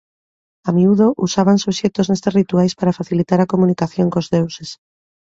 A miúdo usábanse obxectos nestes rituais para facilitar a comunicación cos deuses.